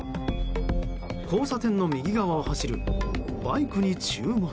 交差点の右側を走るバイクに注目。